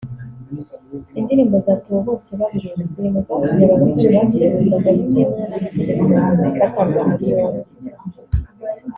Indirimbo za Theo Bosebabireba ziri mu zatumye aba basore bazicuruzaga bitemewe n'amategeko batabwa muri yombi